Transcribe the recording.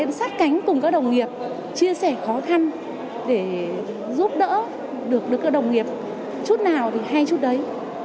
cắn cánh cùng các đồng nghiệp chia sẻ khó khăn để giúp đỡ được các đồng nghiệp chút nào hay chút đấy